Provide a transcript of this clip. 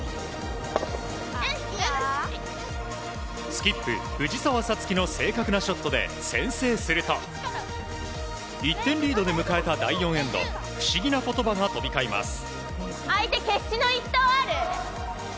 スキップ、藤澤五月の正確なショットで先制すると１点リードで迎えた第４エンド不思議な言葉が飛び交います。